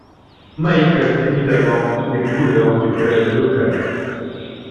Michael sévit d'abord sous les couleurs du club local.